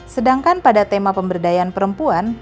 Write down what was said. sedangkan pada tema pemberdayaan perempuan